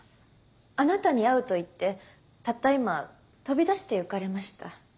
あなたに会うと言ってたった今飛び出して行かれました。